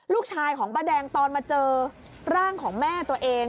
ลูกชายของป้าแดงตอนมาเจอร่างของแม่ตัวเอง